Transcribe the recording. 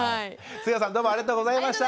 菅野さんどうもありがとうございました。